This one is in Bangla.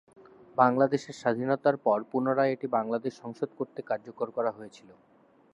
বাংলাদেশের স্বাধীনতার পর পুনরায় এটি বাংলাদেশের সংসদ কর্তৃক কার্যকর করা হয়েছিল।